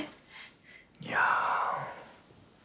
いや。